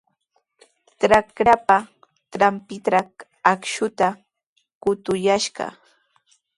Trakrapa trawpintraw akshuta qutuyashqa.